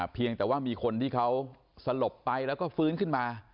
เพียงแต่ว่ามีคนที่เขาสลบไปแล้วก็ฟื้นขึ้นมา